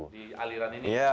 di aliran ini